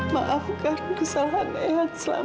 maafkan kesalahan eyang selama ini